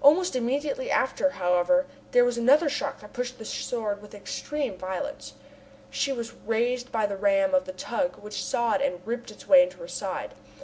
Almost immediately after, however, there was another shock that pushed the Sword with extreme violence. She was raised by the ram of the tug which sawed and ripped its way into her side.